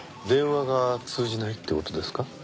電話が通じないって事ですか？